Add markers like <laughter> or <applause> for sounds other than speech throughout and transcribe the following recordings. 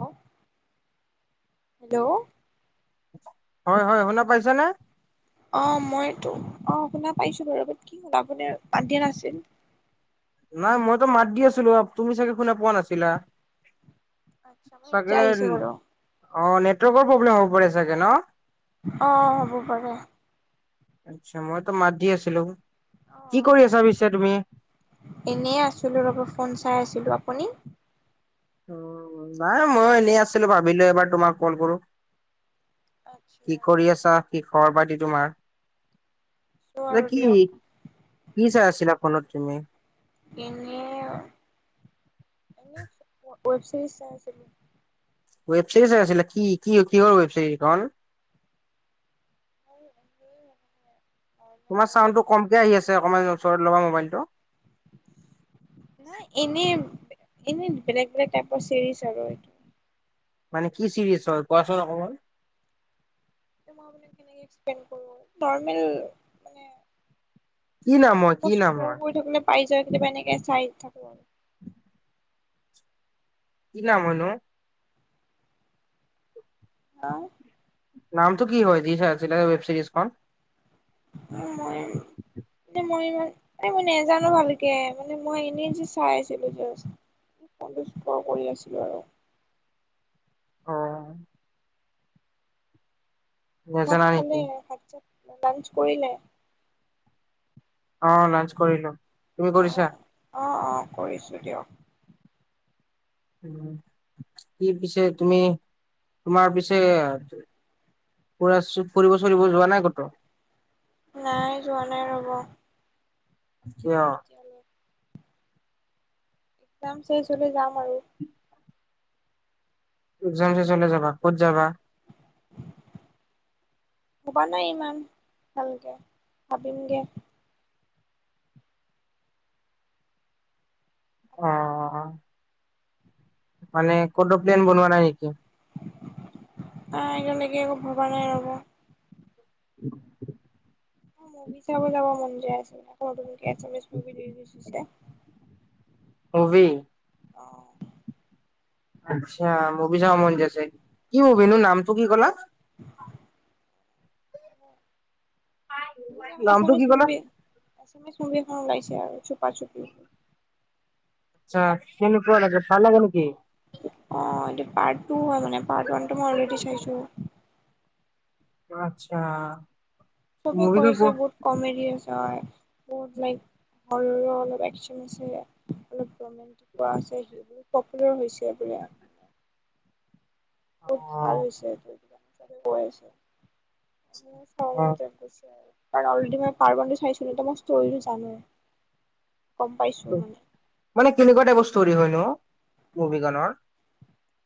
Hello hello হয় হয় শুনা পাইছেনে অ মইতো অ শুনা পাইছো বাৰু কি হল আপোনাৰ আগতে মাত দিয়া নাছিল নাই মইতো মাত দি আছিলো তুমি চাগে শুনা পোৱা নাছিলা ছিলা আচ্ছা মানে ছাগে এতিয়া আহিছে বাৰু অ নেটৱৰ্কৰ প্ৰব্লেম হ'ব পাৰে চাগে ন অ হ'ব পাৰে আচ্ছা মইতো মাত দি আছিলো অ কি কৰি আচ্ছা। আছা পিছে তুমি এনেই আছিলো ৰ'ব ফোন চাই আছিলো আপুনি? নাই মইয়ো এনেই আছিলো। ভাবিলো এবাৰ তোমাক কল কৰো। আচ্ছা কি কৰি আছা? কি খৰ পাতি তোমাৰ? আছো এ', আৰু কি দিয়ক কি চাই আছিলা। ফোনত তুমি? এনে এনে ৱেব চিৰিজ চাই আছিলোঁ। ৱেব চিৰিজ চাই আছিলা। কি কি কিহৰ ৱেব চিৰিজ এখন খন? <unintelligible> আ', অকমান ওচৰত লবা মোবাইলটো নাই। এনে এনে বেলেগ বেলেগ টাইপৰ চিৰিজ আৰু এইটো মানে কি চিৰিছ হয়। কোৱাচোন অকমান মই মানে কেনেকে এক্সপ্ৰেছ কৰো। নৰ্মেল মানে কি নাম হয় কি মই নাম স্ক্ৰল হয় কৰি থাকোঁতেনে পাই যাওঁ। কেতিয়াবা এনেকে চাই থাকো আৰু কি নাম হয় নো? অ', নামটো কি হয়? যি চাই আছিলা ৱেব চিৰিজখন। মই। মই ইমান এই মই নাজানো ভালকে মানে মই এনেই যে চাই আছিলো। জা <unintelligible> কৰি আছিলো আৰু অ', ভাত নেজানা নেকি খালে ভাত চাত লাঞ্চ কৰিলে? অ', লাঞ্চ কৰিলো। তুমি কৰিছা অ', অ, অ, কৰিছো দিয়ক। <unintelligible> পিছে তুমি তোমাৰ পিছে <unintelligible> ফৰিব চুৰিব যোৱা নাই কতো? নাই। যোৱা নাই, ৰ'ব। কিয়? <unintelligible> যাম চাই চবে যাম আৰু <inaudible> চলে যাবা ক'ত যাবা? <unintelligible> ভবা নাই ইমান ভালকে ভাবিম দিয়া। অ আপুনি মানে কটো প্লেন বনোৱা নাই নেকি? নাই তেনেকে একো ভবা নাই ৰ'ব। <inaudible> মুভি চাব যাব মন গৈ আছে। নতুনকে আছামিছ ৰিলিছ হৈছে। মুভি। অ', আচ্ছা, মুভি চাব মন গৈছে কি মুভি নো নামটো কি কলা? <inaudible> নামটো কি এছামিছ ক'লা মুভি এখন ওলাইছে আৰু চুপা চুপি। চা কেনেকুৱা লাগে। ভাল লাগে নেকি? অ', এইটো পাৰ্ট টু হয় মানে পাৰ্ট ওৱান টো মই অলৰেদি চাইছো। আচ্ছা', চবে মুভিখন ক কৈছে বহুত কমেডি <unintelligible> হয়। বহুত লাইক ঘৰৰ অলপ একচন আছে। <unintelligible> <unintelligible> পপুলাৰ হৈছে। <unintelligible> অ বহুত ভাল হৈছে। <unintelligible> <unintelligible> অ অলৰেডি মই পাৰ্ত ওৱান টো চাইছো ন মই ষ্টৰিটো জানো। গম পাইছো। <unintelligible> মানে কেনেকুৱা টাইপৰ ষ্টৰি হয়নো, মুভিখনৰ?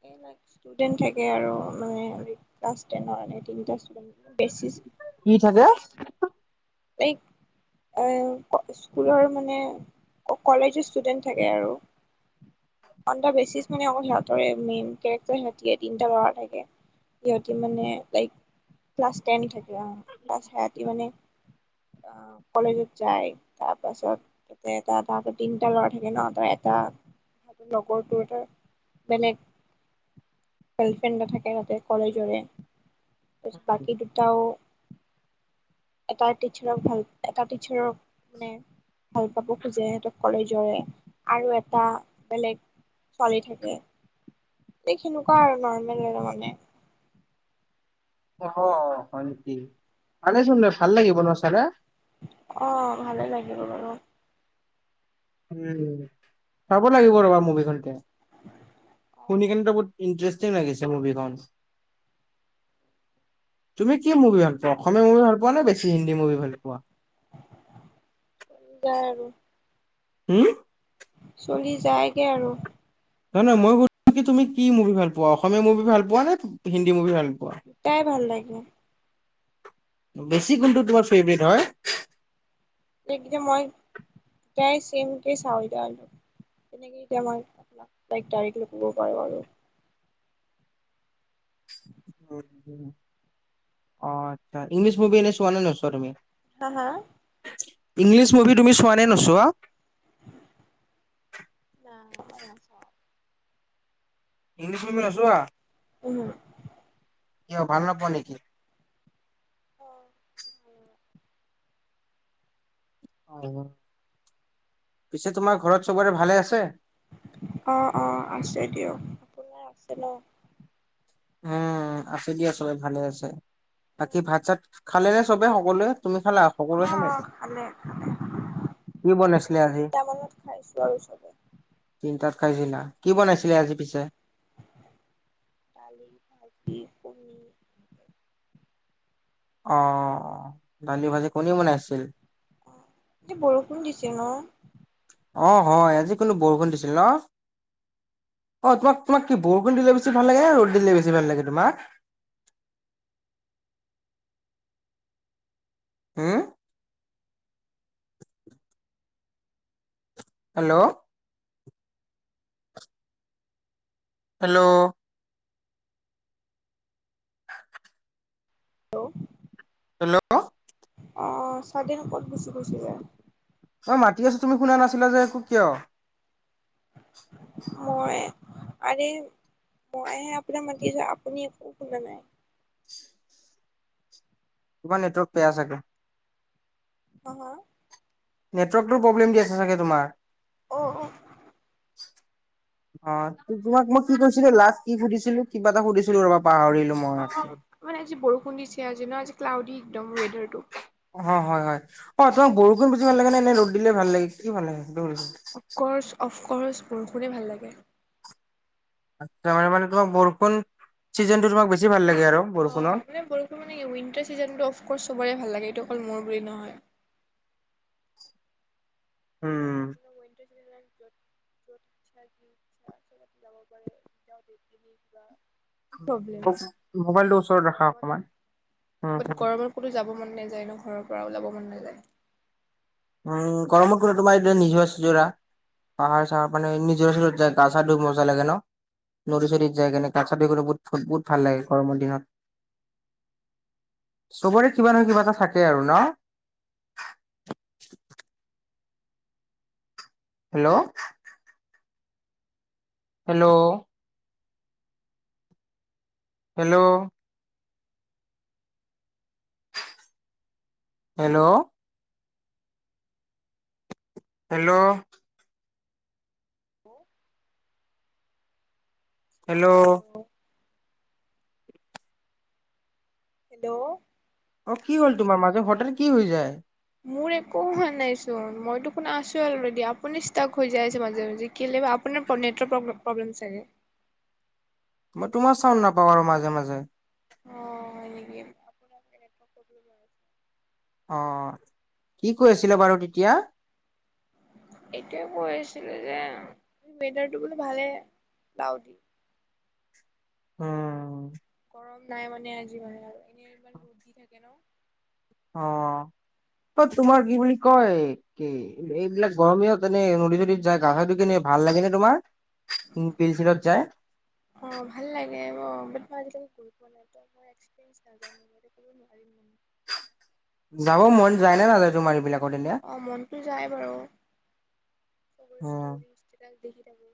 <unintelligible> ষ্টুডেণ্ট থাকে আৰু মানে ক্লাছ টেনৰ এ তিনিটা ষ্টুডেণ্ট। <unintelligible> কি থাকে? <unintelligible> এ স্কুলৰ মানে, কলেজৰ ষ্টুডেণ্ট থাকে আৰু। অন দ বেচিছ মানে অকল সিহঁতে মেইন কেৰেক্টাৰ সিহঁতিয়ে তিনিটা লৰা থাকে। সিহঁতি মানে লাইক ক্লাছ টেন থাকে। <unintelligible> অ', কলেজত যায় তাৰ পাছত তাতে এটা তাহাতৰ তিনিটা ল'ৰা থাকে ন তাৰ এটা <unintelligible> লগৰটো হে বেলেগ গাৰ্লফ্ৰেণ্ড নাথাকে <unintelligible> কলেজৰে। বাকী দুটাও। <unintelligible> টিচাৰক ভাল <unintelligible> এটা টিচাৰক মানে ভাল পাব খোজে সিহঁতৰ কলেজৰে আৰু এটা বেলেগ ছোৱালি থাকে এই সেনেকুৱা আৰু নৰ্মেল আৰু মানে। অ', হয় নেকি, মানেচোন ন ভাল লাগিব নহ চালে। অ', ভালেই লাগিব বাৰু। উ চাব লাগিব ৰ'বা মুভিখন এতিয়া, শুনি কেনেটো বহুত ইণ্টাৰেষ্ট <unintelligible> লাগিছে মুভিখন। তুমি কি মুভি ভাল পোৱা, অসমীয়া মুভি ভাল পোৱা নে হিন্দী মূভি ভাল পোৱা? গাই আৰু উম। চলি যায়গে আৰু। নহয় নহয় মই সুধছো কি, তুমি কি মুভি ভাল পোৱা অসমীয়া মুভি ভাল পোৱা নে হিন্দী মুভি ভাল পোৱা? দুতাই ভাল লাগে। বেছি কোনটো তোমাৰ ফেভৰেট হয়? এইকেইটা মই <unintelligible> তেনেকে এতিয়া মই <unintelligible> অ', আচ্ছা, ইংলিশ মুভি এনে চোৱা নে নোচোৱা তুমি? হা হা? ইংলিছ মুভি তুমি চোৱা নে নচোৱা? না মই নাচাওঁ। ইংলিছ মুভি নোচোৱা। উম। কিয় ভাল নোপোৱা নেকি? পিছে তোমাৰ ঘৰত চবৰে ভালে আছে? অ', অ', আছে দিয়ক আপোনাৰ আছে ন? উম আছে দিয়া চবে ভালে আছে, বাকী ভাত চাত খালে নে চবে সকলোৱে? তুমি খালা? অ', সকলোৱে খালে? অ', খালে। কি বনাইছিলে আজি? তিনিটা মানত খাইছো আৰু চবে। তিনটাত খাইছিলা, কি বনাইছিলে আজি পিছে? দালি, ভাজি, কণী। অ' দালি, ভাজি, কণী বনাইছিল? এ, বৰষুণ দিছিল অ'। অ' হয় আজি কোনো বৰষুণ দিছিল ন'? অ' তোমাক তোমাক কি বৰষুণ দিলে বেছি ভাল লাগে নে ৰ'দ দিলে বেছি ভাল লাগে তোমাক? হু? হেল্ল'। হেল্ল'। হেল্ল'। হেল্ল'। অ' <unintelligible> ক'ত গুচি গৈছিলে? মই মাতি আছোঁ, তুমি শুনা নাছিলা যে একো কিয়? মই আৰে মইহে আপোনাক মাতি আছোঁ আপুনি একো শুনা নাই। তোমাৰ নেটৱৰ্ক বেয়া চাগে। <unintelligible> নেটৱৰ্কটো প্ৰব্লেম দি আছে চাগে তোমাৰ। অ', অ'। অ' ত-তোমাক মই কি কৈছিলোঁ, লাষ্ট কি সুধিছিলোঁ, কিবা এটা সুধিছিলোঁ ৰ'বা পাহৰিলোঁ। অ' মানে আজি বৰষুণ দিছে আজি ন' আজি ক্লাউডি একদম ৱেইডাৰটো। অ', হয় হয়। অ' তোমাক বৰষুণ বেছি ভাল লাগে নে ৰ'দ দিলে ভাল লাগে, কি ভাল লাগে সেইটো সুধিছোঁ। অফকৰ্চ অফকৰ্চ বৰষুণে ভাল লাগে। আচ্ছা, মানে মানে তোমাৰ বৰষুণ ছিজনটো তোমাক বেছি ভাল লাগে আৰু বৰষুণত। টো মানে কি উইণতাৰ চিজনটো অফকৰ্চ চবৰে ভাল লাগে, এইটো অকল মোৰ বুলি নহয়। উম। <unintelligible> <unintelligible> প্ৰব্লেম। মোবাইলটো ওচৰত ৰাখা গৰমত অকমান। হু, বাট হু। গৰমত ক'তো যাব মন নেযায় ন' ঘৰৰ পৰা ওলাব মন নাযায়। উম, গৰমত কোনে তোমাৰ এতিয়া নিজৰা ছিজৰা। পাহাৰ চাহাৰ মানে নিজৰা চিজৰাত যায় গা চা ধুই মজা লাগে ন'? নদি চদিত যায় কিনে, গা চা ধুই কিনে বহুত বহুত ভাল লাগে গৰমৰ দিনত। চবৰে কিবা নহয় কিবা এটা থাকে আৰু ন'? <inaudible> Hello. Hello. Hello. Hello. Hello. <unintelligible> Hello. Hello. অ' কি হ'ল তোমাৰ, মাজে হঠাতে কি হৈ যায়? মোৰ একো হোৱা নাইচোন, মইতো শুনা আছোঁ অলৰেডি, আপুনি ষ্টক হৈ যাই আছে মাজে মাজে। কেলে বা, আপোনাৰ নেটৱৰ্ক প্ৰব-প্ৰব্লেম চাগে। মই তোমাৰ চাউণ্ড নাপাও আৰু মাজে মাজে অ', হয় নেকি? তাকেটো, ক'বই নোৱাৰো। অ', অ', কি কৈ আছিলে বাৰু তেতিয়া? এইটোয়ে কৈ আছিলো যে, ৱেডাৰটো বোলো ভালেই, ক্লাউদি। উম। গৰম নাই মানে আজি মানে আৰু এনেই ইমান ৰ'দ দি থাকে ন। অ', ক'ত তোমাৰ কি বুলি কয় কি এই-এইবিলাক গৰম দিনত এনে নদী চদীত যায়, গা চা ধুই কিনে ভাল লাগে নে তোমাৰ? <unintelligible> বিলচিলত যায়। অ', ভাল লাগে বাও, বাত মই আজিলৈকে গৈ পোৱা নাই ত' মই এক্সপেৰিয়ে নাজানো <unintelligible> ক'ব নোৱাৰিম মানে। যাব মন যায় নে নাযায়, তোমাৰ এইবিলাকত এনে। অ', মনটো যায় বাৰু, এইবোৰ উম ষ্টৰিছ ষ্টেটাছ দেখি থাকো।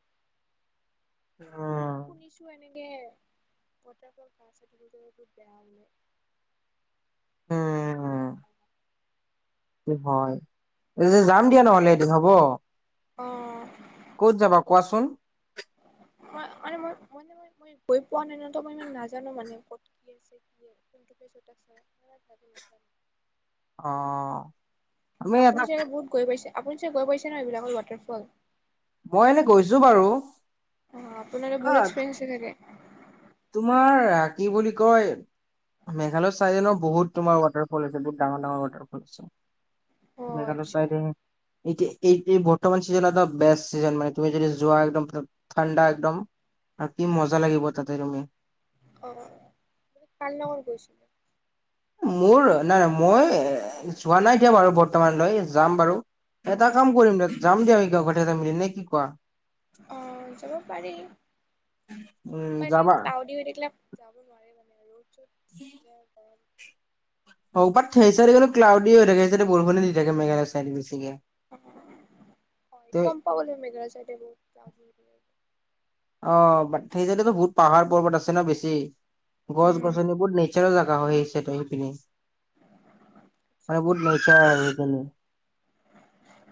অ' শুনিছো এনেকে ৱাতাৰফল এটা আছে <unintelligible> সেইটো বহুত বেয়া বোলে তাত <unintelligible> সেইটো হয়, <unintelligible> যাম দিয়া নহ'লে এদিন হ'ব। অ' ক'ত যাবা, কোৱাচোন? মই অ', মানে, মই মানে, মই গৈ পোৱা নাই ন, ত মই ইমান নাজানো, মানে ক'ত কি আছে? <unintelligible> মই ইমান ভাল কে নাজানো। অ আমি আপুনি এটা চাগে বহুত গৈ পাইছে, আপুনি চাগে গৈ পাইছে ন এইবিলাকত ৱাটাৰফল। মই এনে গৈছো বাৰু। অ', আপোনাৰো অ বহুত এক্সপিৰিয়েঞ্চ আছে চাগে। তোমাৰ কি বুলি কয় মেঘালয় চাইদে ন বহুত তোমাৰ ৱাটাৰফল আছে, বহুত ডাঙৰ ডাঙৰ অ ৱাটাৰফল্ছ। মেঘালয়ৰ আচ্ছা চাইডে এতিয়া, এই এই বৰ্তমান চিজন এটা বেষ্ট চিজন মানে তুমি যদি যোৱা একদম। ঠাণ্ডা একদম, থাকি মজা লাগিব, তাতে তুমি। অ', তুমি কাৰ লগত গৈছিল মোৰ নাই নাই, মই অ', যোৱা নাই দিয়া বাৰু বৰ্তমানলৈ যাম বাৰু। এটা কাম কৰিম, যাম দিয়া আমি <unintelligible> মিলি, নে কি কোৱা? অ', যাব পাৰি। উম। এনে যাবা ক্লাইডি হৈ থাকিলে যাব নোৱাৰি মানে ৰদ চদ <unintelligible> গৰম সৌপাত সেইচাই গ'লে ক্লাউডিয়ে হৈ থাকে, সেইচাইদে বৰষুনে দি থাকে, মেঘালয় চাইদে বেছিকে। <unintelligible> হয়, ত এইটো গম পাও বাৰু মেঘালয় চাইদে বৰষুণ <unintelligible> অ', বাত সেইচাইদেতো বহুত পাহাৰ পৰ্বত আছে ন বেছি। গছ উম গছনি, বহুত নেচাৰেল জেগা হয়, সেই চাইদে সেইপিনে। মানে বহুত <unintelligible> আৰু সেইখিনি।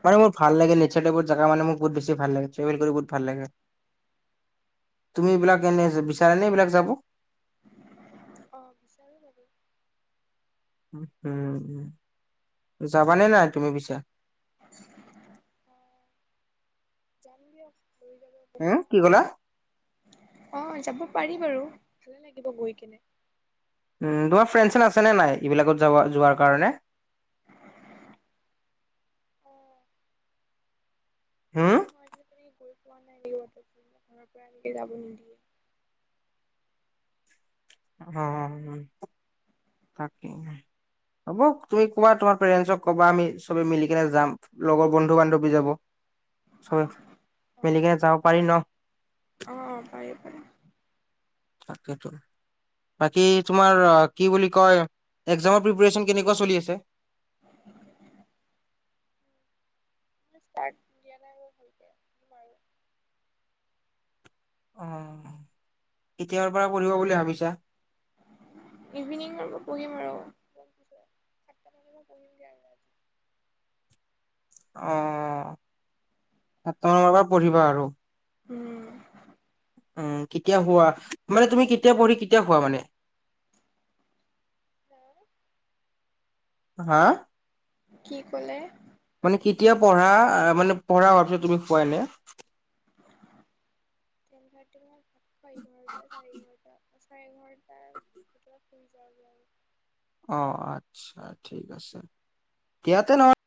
মানে মোৰ ভাল লাগে, নেচাৰ টাইপৰ জেগা মানে মোৰ বহুত বেছি ভাল লাগে, ট্ৰেভেল কৰি বহুত ভাল লাগে। তুমি এইবিলাক এনে যে বিচাৰা নে এইবিলাক যাব? অ', বিচাৰো মানে। উম, উম, যাবানে নাই তুমি পিছে। অ', যাম দিয়া ৰবিবাৰে। হে কি ক'লা? অ', যাব পাৰি বাৰু ভালে লাগিব গৈ কিনে। উম তোমাৰ ফ্ৰেণ্ড চেন আছে নে নাই এইবিলাকত যাব যোৱাৰ কাৰণে। অ'। হুম মইনে গৈ পোৱা নাই লাগিব ঘৰৰ পৰা এনেকে যাব নিদিয়ে। অ', অ', তাকেই হ'ব তুমি কবা তোমাৰ পেৰেণ্টছ কবা আমি চবে মিলি কেনে যাম। লগৰ বন্ধু বান্ধৱী যাব চব অ অ মিলিকেনে যাব পাৰিম ন। অ', পাৰি, পাৰি। তাকেইতো। বাকী তোমাৰ কি বুলি কয় এক্সামৰ প্ৰিপেৰে্চন কেনেকুৱা চলি আছে। <unintelligible> দিয়া নাই ভালকে তোমাৰো। অ', কেতিয়াৰ পৰা পঢ়িব বুলি ভাবিছা। ইভিনিংৰ পৰা পঢ়িম আৰু। সাতটা মানৰ পৰা পঢ়িমগে আৰু ৰাতি অ', সাতা মানৰ পৰা পঢ়িবা আৰু। উম। উম কেতিয়া হোৱা মানে তুমি কেতিয়া পঢ়ি কেতিয়া হোৱা মানে। হা কি ক'লে মানে কেতিয়া পঢ়া মানে পঢ়া হোৱাৰ পিছত তুমি শোৱাই এনে। টেন থাৰ্টি মান বা এঘাৰটা চাৰে এঘাৰটা। চাৰে এঘৰোটাৰ ভিতৰত শুই যোৱাগ আৰু। অ', আচ্ছা ঠিক আছে, দিয়া তেতিয়া নহয়